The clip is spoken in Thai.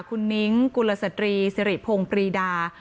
คุณนิ้งกุลสตรีสิริพงศ์ปรีดา